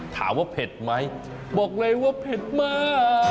ถามว่าเผ็ดไหมบอกเลยว่าเผ็ดมาก